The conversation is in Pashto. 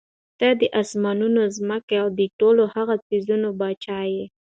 ته د آسمانونو، ځمکي او د ټولو هغو څيزونو باچا ئي